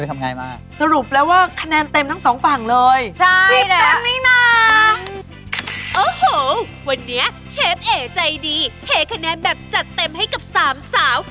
เธขาแนนแบบจัดเต็มกับสามสาว